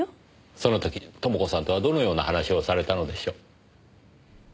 その時朋子さんとはどのような話をされたのでしょう？